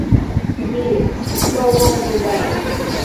His family lived in the Hama province of what was then Ottoman Syria.